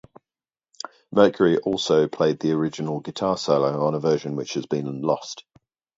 Mercury also played the original guitar solo on a version which has been lost.